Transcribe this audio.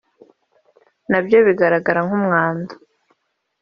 … na byo bigaragara nk’umwanda)